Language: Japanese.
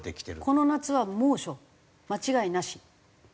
この夏は猛暑間違いなし？